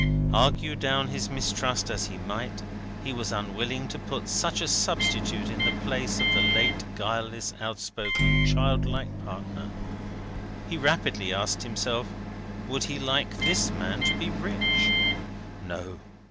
Argue down his mistrust as he might, he was unwilling to put such a substitute in the place of his late guileless, outspoken childlike partner. He rapidly asked himself, would he like this man to be rich? No.